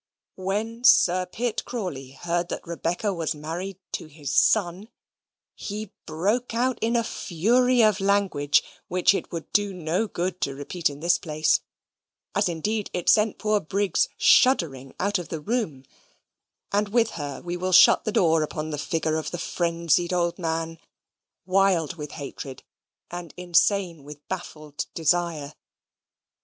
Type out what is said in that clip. When Sir Pitt Crawley heard that Rebecca was married to his son, he broke out into a fury of language, which it would do no good to repeat in this place, as indeed it sent poor Briggs shuddering out of the room; and with her we will shut the door upon the figure of the frenzied old man, wild with hatred and insane with baffled desire.